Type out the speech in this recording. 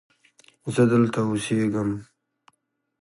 زه دلته اوسیږم.